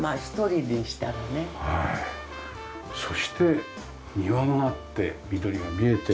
そして庭があって緑が見えて。